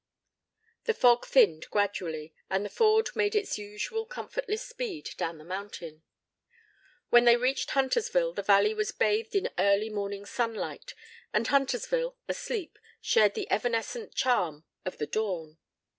The fog thinned gradually and the Ford made its usual comfortless speed down the mountain. When they reached Huntersville the valley was bathed in early morning sunlight, and Huntersville, asleep, shared the evanescent charm of the dawn.